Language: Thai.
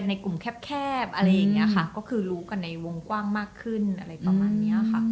น้องมีแคบก็คือรู้กันในวงกว้างมากขึ้นหรือมาเงี้ยค่ะ